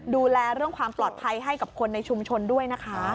ดูแลเรื่องความปลอดภัยให้กับคนในชุมชนด้วยนะคะ